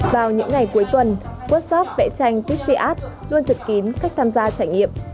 vào những ngày cuối tuần workshop vẽ tranh tipsy art luôn trực kín khách tham gia trải nghiệm